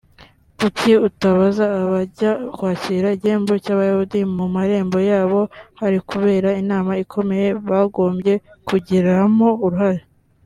Kuki utabaza abajya kwakira igihembo cyabayahudi mu marembo yabo harikubera inama ikomeye bagombye kugiramo uruhare